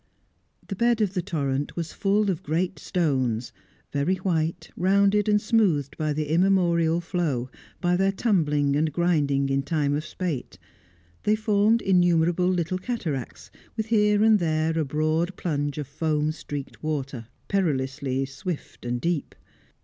The bed of the torrent was full of great stones, very white, rounded and smoothed by the immemorial flow, by their tumbling and grinding in time of spate; they formed innumerable little cataracts, with here and there a broad plunge of foam streaked water, perilously swift and deep.